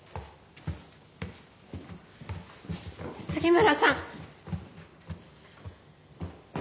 杉村さん！